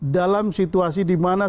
dalam situasi dimana